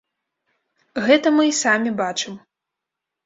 Гэта мы і самі бачым.